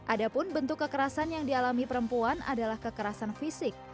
adapun bentuk kekerasan yang dialami perempuan adalah kekerasan fisik